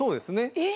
えっ！